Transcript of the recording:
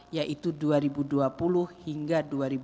yaitu dua ribu dua puluh hingga dua ribu dua puluh